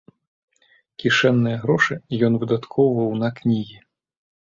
Кішэнныя грошы ён выдаткоўваў на кнігі.